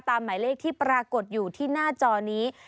หมายเลขที่ปรากฏอยู่ที่หน้าจอนี้